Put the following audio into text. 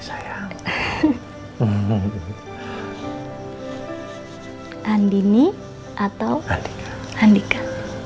andini atau andika